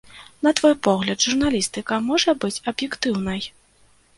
На твой погляд, журналістыка можа быць аб'ектыўнай?